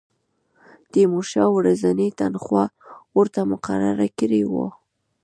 تیمورشاه ورځنۍ تنخوا ورته مقرره کړې وه.